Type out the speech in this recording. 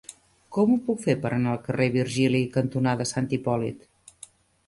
Com ho puc fer per anar al carrer Virgili cantonada Sant Hipòlit?